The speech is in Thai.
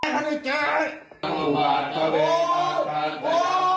แม่งพระเจ้า